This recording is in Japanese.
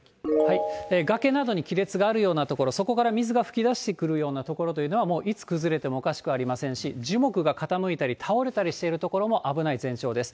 崖などに亀裂があるような所、そこから水がふき出してくるような所というのは、もういつ崩れてもおかしくありませんし、樹木が傾いたり、倒れたりしている所も危ない前兆です。